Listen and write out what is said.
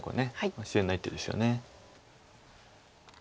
自然な一手ですよね。